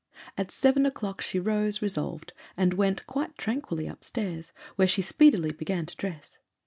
At seven o'clock she rose resolved, and went quite tranquilly upstairs, where she speedily began to dress.